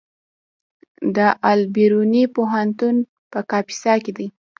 د البیروني پوهنتون په کاپیسا کې دی